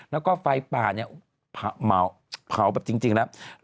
แล้วก็ไฟป่าเนี่ยเผาแบบจริงแล้ว